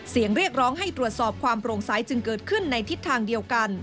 เสียงเรียกร้องให้ตรวจสอบความโปร่งใสจึงเกิดขึ้นในทิศทางเดียวกัน